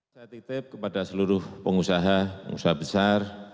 saya titip kepada seluruh pengusaha pengusaha besar